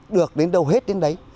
được đến đâu hết đến đấy